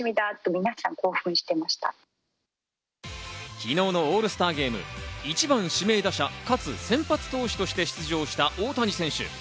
昨日のオールスターゲーム、１番指名打者かつ先発投手として出場した大谷選手。